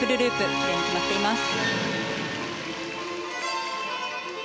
きれいに決まっています。